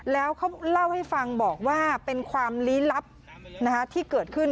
แล้วเขาเล่าให้ฟังบอกว่าเป็นความลี้ลับที่เกิดขึ้น